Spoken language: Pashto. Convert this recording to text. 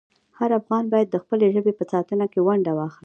هر افغان باید د خپلې ژبې په ساتنه کې ونډه واخلي.